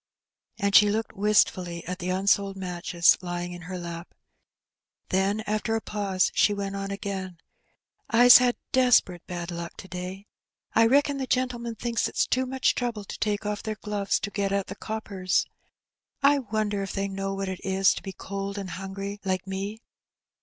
And she looked wistfully at the unsold matches lying in her lap. Then, after a pause she went on again, " I's had desp'rate bad luck to day, I reckon the gen'lmen thinks it too much trouble to take off their gloves to get at the coppers. 1 wonder if they know what it is to be cold and hungry like me